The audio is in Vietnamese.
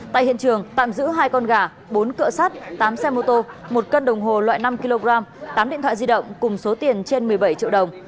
tại hiện trường tạm giữ hai con gà bốn cựa sắt tám xe mô tô một cân đồng hồ loại năm kg tám điện thoại di động cùng số tiền trên một mươi bảy triệu đồng